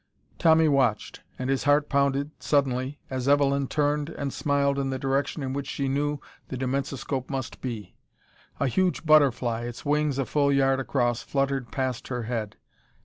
Tommy watched, and his heart pounded suddenly as Evelyn turned and smiled in the direction in which she knew the dimensoscope must be. A huge butterfly, its wings a full yard across, fluttered past her head.